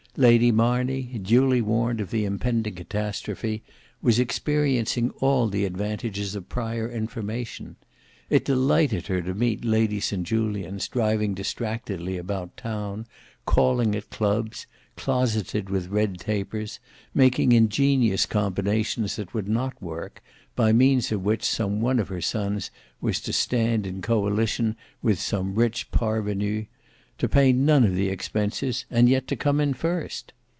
Lady Marney, duly warned of the impending catastrophe, was experiencing all the advantages of prior information. It delighted her to meet Lady St Julians driving distractedly about town, calling at clubs, closeted with red tapers, making ingenious combinations that would not work, by means of which some one of her sons was to stand in coalition with some rich parvenu; to pay none of the expenses and yet to come in first.